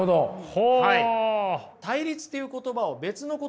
ほう。